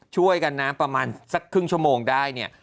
ช่วยกันนะประมาณสักครึ่งชั่วโมงได้เนี่ย